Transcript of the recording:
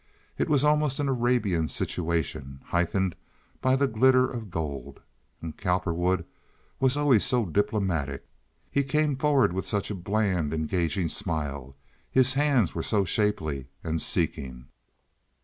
It was almost an Arabian situation, heightened by the glitter of gold. And Cowperwood was always so diplomatic. He came forward with such a bland, engaging smile. His hands were so shapely and seeking.